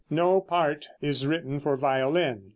No part is written for violin.